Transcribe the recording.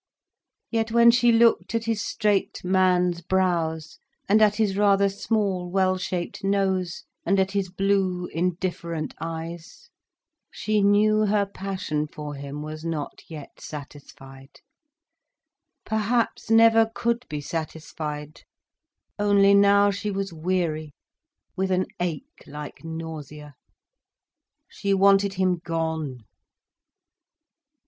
Yet when she looked at his straight man's brows, and at his rather small, well shaped nose, and at his blue, indifferent eyes, she knew her passion for him was not yet satisfied, perhaps never could be satisfied. Only now she was weary, with an ache like nausea. She wanted him gone.